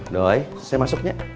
doi saya masuknya